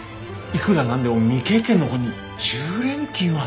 いくら何でも未経験の子に１０連勤は。